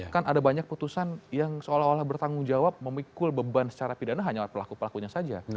karena kan ada banyak putusan yang seolah olah bertanggung jawab memikul beban secara pidana hanya pelaku pelakunya saja